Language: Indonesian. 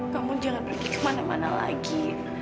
kamu jangan pergi kemana mana lagi